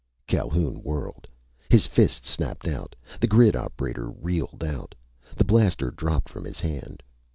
Calhoun whirled. His fist snapped out. The grid operator reeled out. The blaster dropped from his hand.